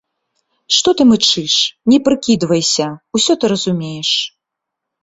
Што ты мычыш, не прыкідвайся, усё ты разумееш.